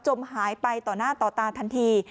หายไปต่อหน้าต่อตาทันที